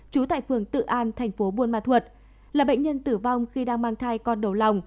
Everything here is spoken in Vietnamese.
trú tại phường tự an tp buôn ma thuật là bệnh nhân tử vong khi đang mang thai con đầu lòng